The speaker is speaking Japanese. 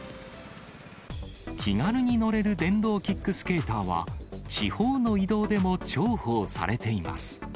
気軽に乗れる電動キックスケーターは、地方の移動でも重宝されています。